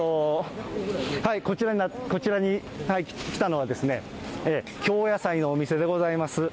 こちらに来たのは、京野菜のお店でございます。